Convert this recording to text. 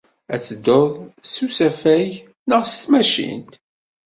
Ad teddud s usafag neɣ s tmacint?